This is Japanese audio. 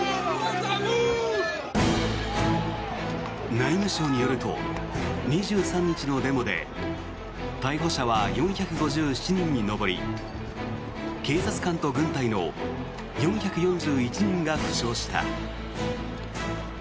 内務省によると、２３日のデモで逮捕者は４５７人に上り警察官と軍隊の４４１人が負傷した。